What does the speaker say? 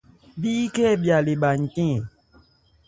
Bíkhɛ́n hɛ bhya lê bha npi ɛ ?